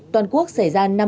trong chín ngày tây nguyên đán